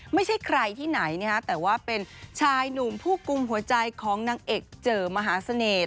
ไม่ใช่ใครที่ไหนนะฮะแต่ว่าเป็นชายหนุ่มผู้กุมหัวใจของนางเอกเจอมหาเสน่ห์